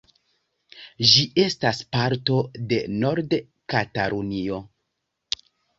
Ĝi estas parto de Nord-Katalunio.